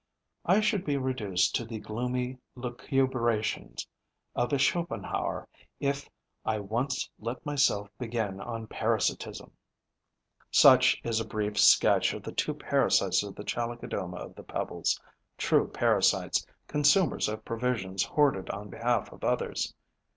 I should be reduced to the gloomy lucubrations of a Schopenhauer if I once let myself begin on parasitism. Such is a brief sketch of the two parasites of the Chalicodoma of the Pebbles, true parasites, consumers of provisions hoarded on behalf of others.